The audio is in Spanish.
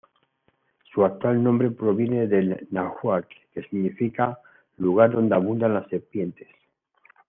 Su actual nombre proviene del náhuatl que significa "lugar donde abundan las serpientes".